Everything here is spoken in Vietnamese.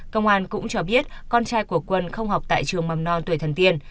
công an cũng cho biết con trai của quân không học tại trường mầm non tuổi thần tiên